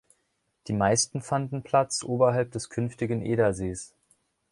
Die meisten fanden Platz oberhalb des künftigen Edersees.